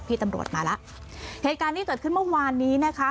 พี่ตำรวจมาแล้วเหตุการณ์ที่เกิดขึ้นเมื่อวานนี้นะคะ